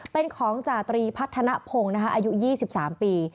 เป็นของจาตรีพัฒนภงอายุ๒๓ปี